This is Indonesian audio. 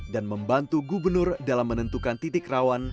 dan membantu gubernur dalam menentukan titik rawan